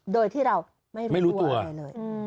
โดยที่เราไม่รู้ตัวอะไรเลย